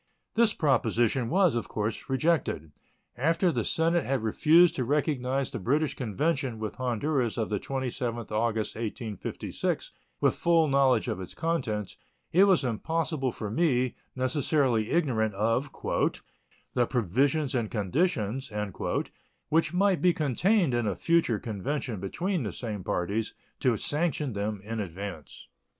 This proposition was, of course, rejected. After the Senate had refused to recognize the British convention with Honduras of the 27th August, 1856, with full knowledge of its contents, it was impossible for me, necessarily ignorant of "the provisions and conditions" which might be contained in a future convention between the same parties, to sanction them in advance.